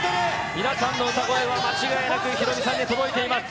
皆さんの歌声は間違いなくヒロミさんに届いています。